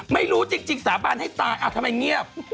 ไม่รู้จริงสาบานให้ตายทำไมเงียบ